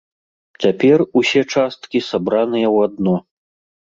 Цяпер усе часткі сабраныя ў адно.